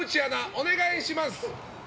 お願いします。